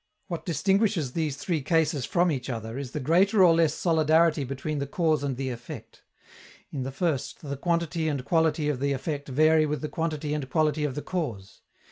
What distinguishes these three cases from each other is the greater or less solidarity between the cause and the effect. In the first, the quantity and quality of the effect vary with the quantity and quality of the cause.